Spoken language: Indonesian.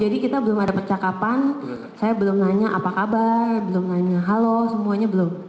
jadi kita belum ada percakapan saya belum nanya apa kabar belum nanya halo semuanya belum